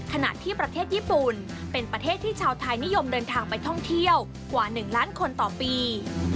ขณะที่ประเทศญี่ปุ่นเป็นประเทศที่ชาวไทยนิยมเดินทางไปท่องเที่ยวกว่า๑ล้านคนต่อปี